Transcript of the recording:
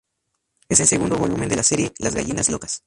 Es el segundo volumen de la serie "Las Gallinas Locas".